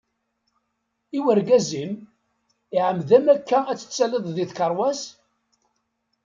I urgaz-im? iɛemmed-am akka ad tettalliḍ di tkerwas?